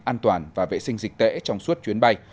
an toàn và vệ sinh dịch tễ trong suốt chuyến bay